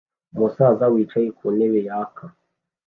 Umusaza wicaye kuntebe yaka